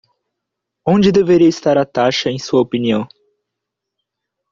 Onde deveria estar a taxa, em sua opinião?